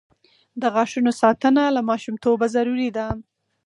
د غاښونو ساتنه له ماشومتوبه ضروري ده.